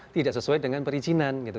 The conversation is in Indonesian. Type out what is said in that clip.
tidak sesuai dengan perizinan gitu